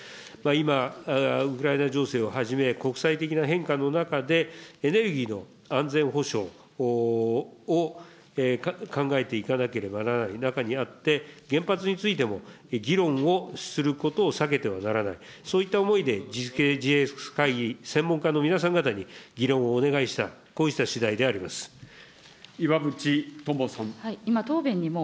今、ウクライナ情勢をはじめ、国際的な変化の中で、エネルギーの安全保障を考えていかなければならない中にあって、原発についても、議論をすることを避けてはならない、そういった思いでＧＸ会議専門家の皆さん方に議論をお願いした、岩渕友さん。